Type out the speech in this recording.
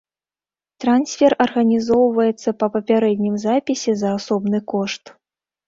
Трансфер арганізоўваецца па папярэднім запісе за асобны кошт.